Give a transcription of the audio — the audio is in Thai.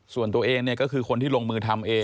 ส่วนตัวเองเนี่ยก็คือคนที่ลงมือทำเอง